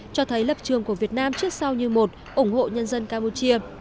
cho thấy lập trường của việt nam trước sau như một ủng hộ nhân dân campuchia